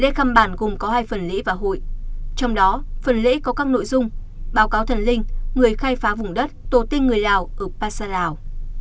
trong đó phần lễ có các nội dung báo cáo thần linh người khai phá vùng đất tổ tiên người lào ở pa sa lào